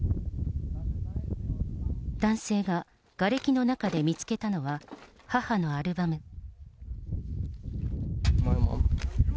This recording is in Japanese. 男性ががれきの中で見つけたのは、母のアルバム。